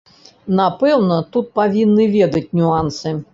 Напэўна, тут павінны ведаць нюансы.